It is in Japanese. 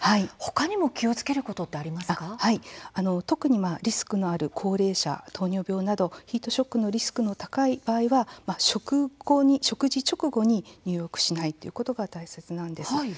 ほかにも気をつけることは特にリスクのある高齢者糖尿病などヒートショックのリスクが高い場合は食事直後に入浴しないということが大切なんです。